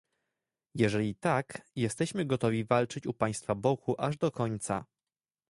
Jeżeli tak, jesteśmy gotowi walczyć u Państwa boku aż do końca